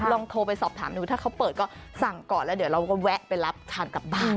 ลองโทรไปสอบถามดูถ้าเขาเปิดก็สั่งก่อนแล้วเดี๋ยวเราก็แวะไปรับทานกลับบ้าน